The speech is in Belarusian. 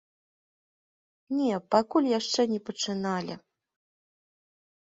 Не, пакуль яшчэ не пачыналі.